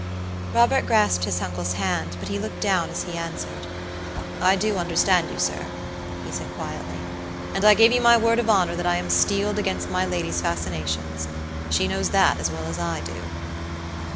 Robert grasped his uncle's hand, but he looked down as he answered: "I do understand you, sir," he said, quietly; "and I give you my word of honor that I am steeled against my lady's fascinations. She knows that as well as I do."